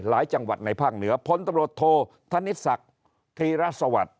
หลายจังหวัดในภาคเหนือผลตำรวจโทษธนิษฐกษ์ธีรสวรรค์